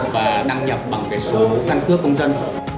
và đăng nhập bằng cái số căn cước công dân